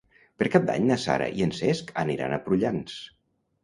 Per Cap d'Any na Sara i en Cesc aniran a Prullans.